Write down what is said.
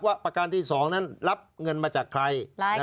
ประการที่๒นั้นรับเงินมาจากใคร